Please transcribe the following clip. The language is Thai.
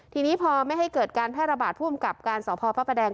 ทีนี้พอไม่ให้เกิดการแพร่ระบาดผู้อำกับการสพพระประแดง